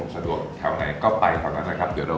สะดวกเท่าไหร่ก็ไปเราต้องไปเอกมัยแค่บ้านเรา